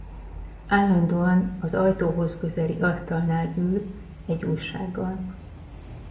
Állandóan az ajtóhoz közeli asztalnál ül egy újsággal.